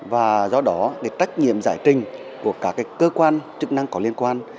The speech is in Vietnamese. và do đó trách nhiệm giải trình của các cơ quan chức năng có liên quan